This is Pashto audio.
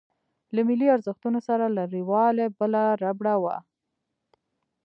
له ملي ارزښتونو سره لريوالۍ بله ربړه وه.